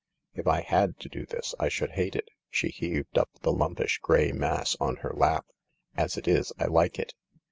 D I had to do this I should hate it." She heaved up the lumpish grey mass on her lap. " As it is, I like it."